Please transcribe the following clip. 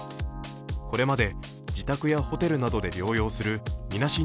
これまで自宅やホテルなどで療養するみなし